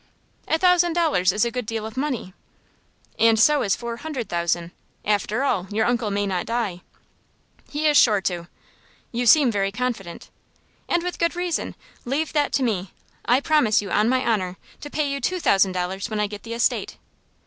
"A thousand dollars is a good deal of money." "And so is four hundred thousand. After all, your uncle may not die." "He is sure to." "You seem very confident." "And with good reason. Leave that to me. I promise you, on my honor, to pay you two thousand dollars when I get the estate."